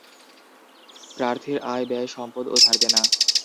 প্রার্থীর আয় ব্যয়, সম্পদ ও ধারদেনা।